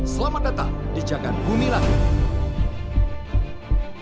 selamat datang di jagad bumi langit